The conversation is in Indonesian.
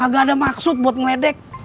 gak ada maksud buat ngeledek